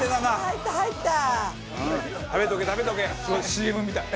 ＣＭみたい。